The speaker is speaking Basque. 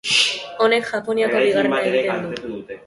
Honek Japoniako bigarrena egiten du.